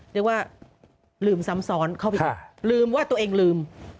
เรียกว่าลืมซ้ำซ้อนเข้าไปลืมว่าตัวเองลืม